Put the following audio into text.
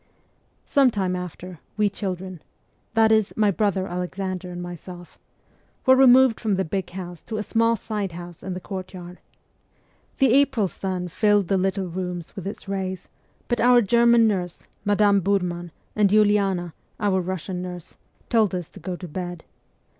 Some time after, we children that is, my brother Alexander and myself were removed from the big house to a small side house in the courtyard. The April sun filled the little rooms with its rays, but our German nurse Madame Burman and Ulidna, our Russian nurse, told us to go to bed.